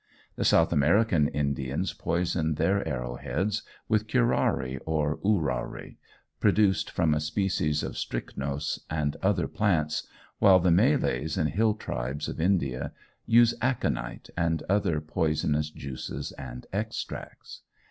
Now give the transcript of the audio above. The South American Indians poison their arrow heads with curare or ourari, produced from a species of strychnos and other plants, while the Malays and hill tribes of India use aconite, and other poisonous juices and extracts.